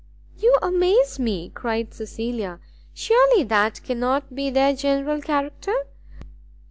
"You amaze me!" cried Cecilia; "surely that cannot be their general character?